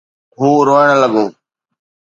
هو روئڻ لڳو.